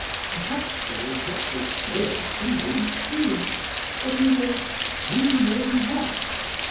Perhaps, though, what they say about him may be true—that he's an—we know what.